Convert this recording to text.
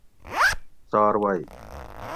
څاروئی